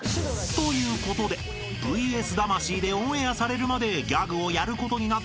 ［ということで『ＶＳ魂』でオンエアされるまでギャグをやることになった浮所君にレクチャー］